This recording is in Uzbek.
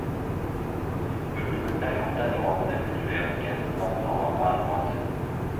Yurtimizda hafta davomida kutilayotgan ob-havo ma’lumoti